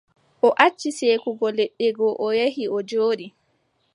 O acci seekugo leɗɗe go, o yehi, o jooɗi.